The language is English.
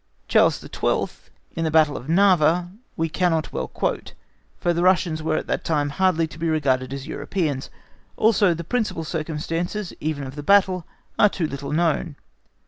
Charles XII, in the battle of Narva, we cannot well quote, for the Russians were at that time hardly to be regarded as Europeans, also the principal circumstances, even of the battle, are too little known.